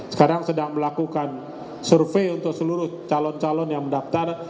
sekarang sedang melakukan survei untuk seluruh calon calon yang mendaftar